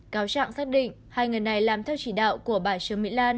cáo trạng xác định hai người này làm theo chỉ đạo của bà trương mỹ lan